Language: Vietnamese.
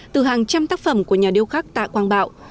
từ hàng trăm tác phẩm của nhà điêu khắc tạ quang bảo